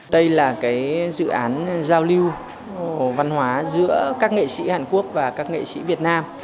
đây là dự án giao lưu văn hóa giữa các nghệ sĩ hàn quốc và các nghệ sĩ việt nam